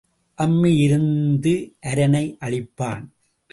அம்மி இருந்து அரணை அழிப்பான்.